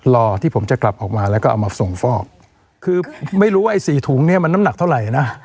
รอที่ผมจะกลับออกมาแล้วก็เอามาส่งฟอกคือไม่รู้ว่าไอ้สี่ถุงเนี่ยมันน้ำหนักเท่าไหร่นะ